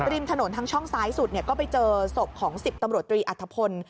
ริมถนนทางช่องซ้ายสุดก็ไปเจอศพของ๑๐ตำรวจตรีอัฐพล